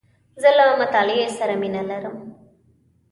زه له مطالعې سره مینه لرم .